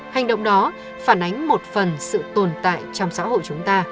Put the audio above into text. hành động đó phản ánh một phần sự tồn tại trong xã hội chúng ta